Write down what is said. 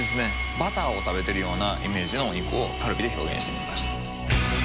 バターを食べてるようなイメージのお肉をカルビで表現してみました。